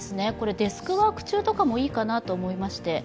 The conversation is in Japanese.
デスクワーク中とかもいいかなと思いまして。